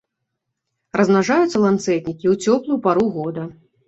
Размнажаюцца ланцэтнікі ў цёплую пару года.